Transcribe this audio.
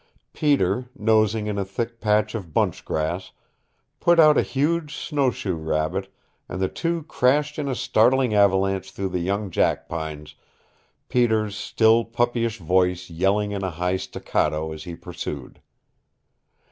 Peter, nosing in a thick patch of bunch grass, put out a huge snowshoe rabbit, and the two crashed in a startling avalanche through the young jackpines, Peter's still puppyish voice yelling in a high staccato as he pursued.